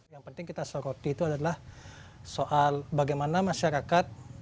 yang kita soroti adalah soal bagaimana masyarakat